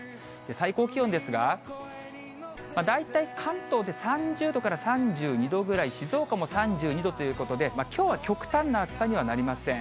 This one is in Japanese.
最高気温ですが、大体関東で３０度から３２度ぐらい、静岡も３２度ということで、きょうは極端な暑さにはなりません。